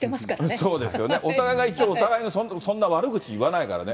そうですよね、お互いが一応、お互いのそんな悪口言わないからね。